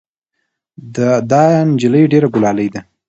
دا نجلۍ ډېره ګلالۍ ده.